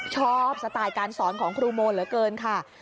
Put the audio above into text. สไตล์การสอนของครูโมเหลือเกินค่ะ